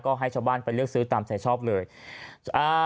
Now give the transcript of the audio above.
ก็ให้ชาวบ้านไปเลือกซื้อตามใจชอบเลยอ่า